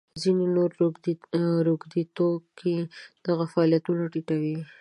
ځینې نور روږدي توکي دغه فعالیتونه ټیټوي.